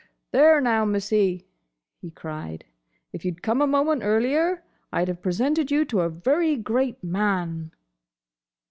"There, now, Missie," he cried, "if you'd come a moment earlier, I'd have presented you to a very great man!"